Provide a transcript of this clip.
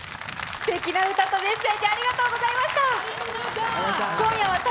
すてきな歌とメッセージ、ありがとうございました。